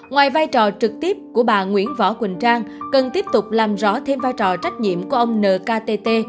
ngoài vai trò trực tiếp của bà nguyễn võ quỳnh trang cần tiếp tục làm rõ thêm vai trò trách nhiệm của ông nkt